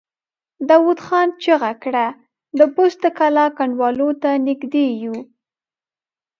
داوود خان چيغه کړه! د بست د کلا کنډوالو ته نږدې يو!